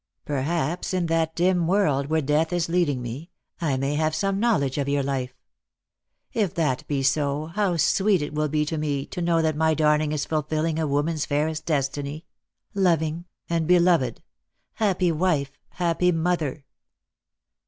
Perhaps in that dim world where death is leading me, I may have some knowledge of your life. If that be so, how sweet it will be to me to know that my darling is fulfilling a woman's fairest destiny — loving and beloved — happy wife, happy mother!"